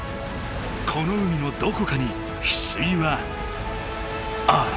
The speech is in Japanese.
この海のどこかにヒスイはある。